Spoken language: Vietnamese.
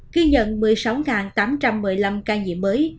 ghi nhận một mươi sáu tám trăm một mươi năm ca nhiễm mới